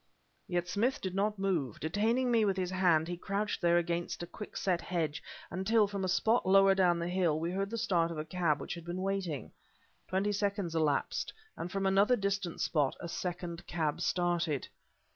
Yet Smith did not move. Detaining me with his hand he crouched there against a quick set hedge; until, from a spot lower down the hill, we heard the start of the cab which had been waiting. Twenty seconds elapsed, and from some other distant spot a second cab started.